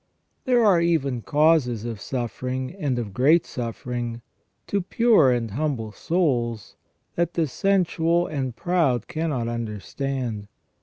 There are even causes of suffering, and of great suffering, to pure and humble souls, that the sensual and proud cannot understand.